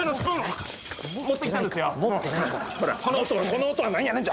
この音は何やねん？